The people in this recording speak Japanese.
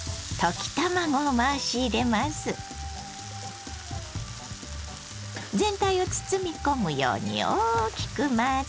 全体を包み込むように大きく混ぜます。